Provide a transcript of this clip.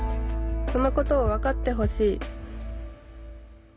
そのことを分かってほしい